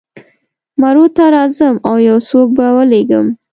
مرو ته راځم او یو څوک به ولېږم.